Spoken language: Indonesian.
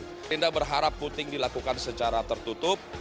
tenda berharap puting dilakukan secara tertutup